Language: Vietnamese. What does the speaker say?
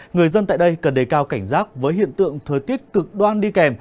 người dân tại đây cần đề cao cảnh giác với hiện tượng thời tiết cực đoan đi kèm